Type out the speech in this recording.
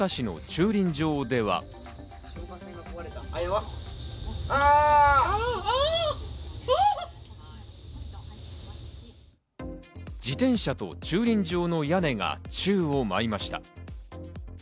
自転車と駐輪場の屋根が宙を舞いました。